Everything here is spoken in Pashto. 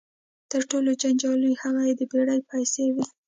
تر ټولو جنجالي هغه یې د بېړۍ پیسې وې.